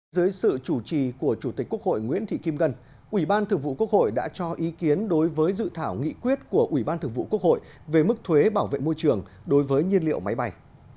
dưới sự chủ trì của chủ tịch quốc hội nguyễn thị kim gân ủy ban thường vụ quốc hội đã cho ý kiến đối với dự thảo nghị quyết của ủy ban thượng vụ quốc hội về mức thuế bảo vệ môi trường đối với nhiên liệu máy bay